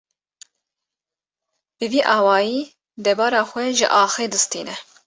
Bi vî awayî debara xwe ji axê distîne.